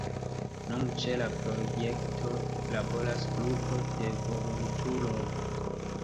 Nun ĉe la projekto laboras grupo de volontuloj.